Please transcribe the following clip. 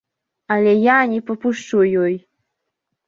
Але я не папушчу ёй!